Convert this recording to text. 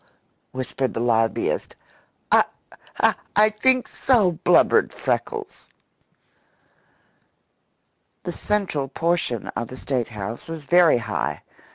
whispered the lobbyist. "I I think so!" blubbered Freckles. The central portion of the State house was very high.